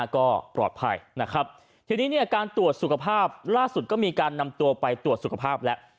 ก็ปลอดภัยนะครับทีนี้เนี่ยการตรวจสุขภาพล่าสุดก็มีการนำตัวไปตรวจสุขภาพแล้ว